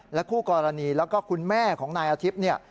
และคู่กรณีแล้วก็คุณแม่ของนายอาทิพย์